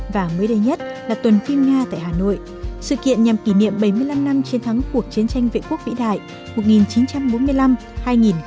và mới đây nhất là tuần phim nga tại hà nội sự kiện nhằm kỷ niệm bảy mươi năm năm chiến thắng cuộc chiến tranh vệ quốc vĩ đại một nghìn chín trăm bốn mươi năm hai nghìn hai mươi